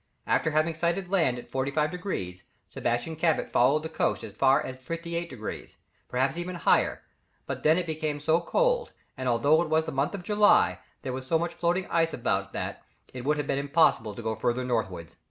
After having sighted land at 45 degrees, Sebastian Cabot followed the coast as far as 58 degrees, perhaps even higher, but then it became so cold, and although it was the month of July, there was so much floating ice about, that, it would have been impossible to go further northwards.